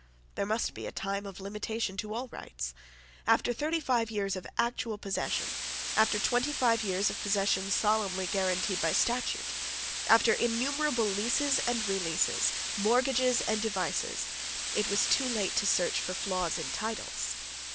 There must be a time of limitation to all rights. After thirty five years of actual possession, after twenty five years of possession solemnly guaranteed by statute, after innumerable leases and releases, mortgages and devises, it was too late to search for flaws in titles.